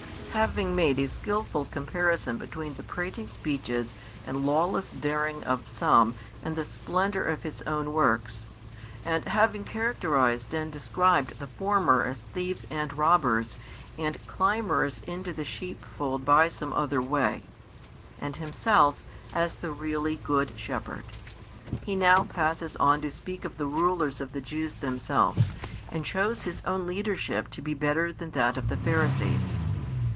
Having made a skilful comparison between the prating speeches and lawless daring of some and the splendour of |76 His own works, and having characterised and described the former as thieves and robbers and climbers into the sheepfold by some other way, and Himself as the really Good Shepherd; He now passes on to speak of the rulers of the Jews themselves, and shews His own leadership to be better than that of the Pharisees.